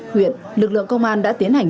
huyện lực lượng công an đã tiến hành